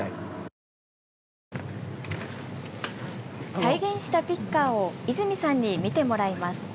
再現したピッカーを泉さんに見てもらいます。